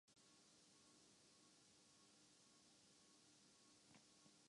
بشر کرتے ہیں جو کچھ نیک و بد کام